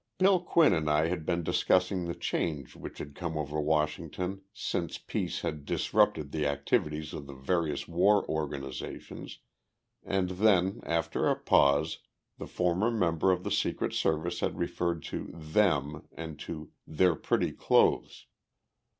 Bill Quinn and I had been discussing the change which had come over Washington since peace had disrupted the activities of the various war organizations, and then, after a pause, the former member of the Secret Service had referred to "them" and to "their pretty clothes."